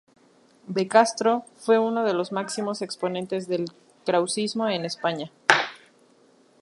De Castro fue uno de los máximos exponentes del krausismo en España.